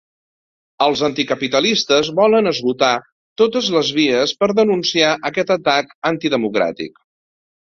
Els anticapitalistes volen esgotar totes les vies per denunciar aquest atac antidemocràtic.